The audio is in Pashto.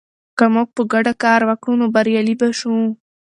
که موږ په ګډه کار وکړو، نو بریالي به شو.